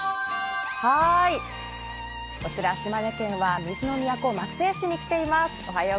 こちら島根県は水の都・松江市に来ています。